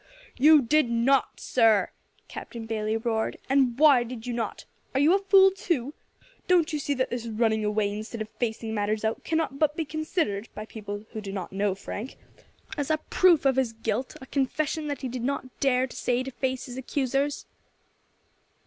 "You did not, sir," Captain Bayley roared, "and why did you not? Are you a fool too? Don't you see that this running away instead of facing matters out cannot but be considered, by people who do not know Frank, as a proof of his guilt, a confession that he did not dare to stay to face his accusers?"